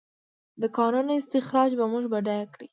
د کانونو استخراج به موږ بډایه کړي؟